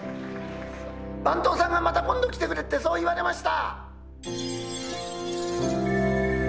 番頭さんがまた今度来てくれってそう言われました。